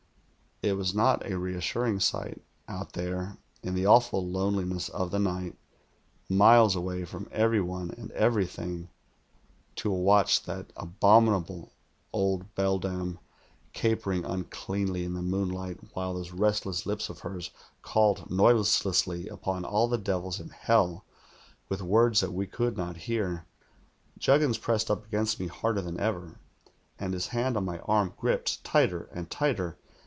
It was not a reassin ing sight, out there in the awful loneliness of the night, miles away from every one and everything, to watch that abominable old beldam capering imcleanh" in the moonlight, while those restless lips of her< called noiselessly upon all the devils in hell, with words that we could not hear. Juggins pressed up against me harder than ever, and his hand on my arm gripped tighter and tighter.